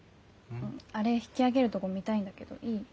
あれ引き揚げるとご見たいんだけどいい？